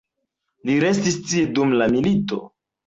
Li restis tie dum la milito.